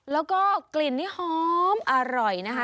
แล้วก็กลิ่นนี่หอมอร่อยนะคะ